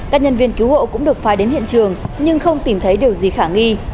các nhân viên cứu hộ cũng được phai đến hiện trường nhưng không tìm thấy điều gì khả nghi